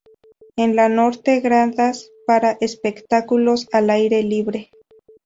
En la norte gradas para espectáculos al aire libre.